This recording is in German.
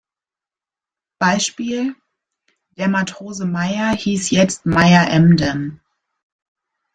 Beispiel: Der Matrose Meyer hieß jetzt Meyer-Emden.